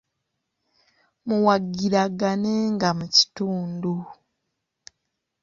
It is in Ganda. Muwagiraganenga mu kitundu.